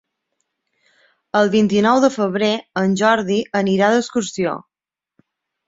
El vint-i-nou de febrer en Jordi anirà d'excursió.